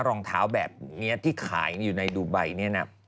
รองเท้าแบบนี้ที่ขายอยู่ในดูไบเนี่ยนะ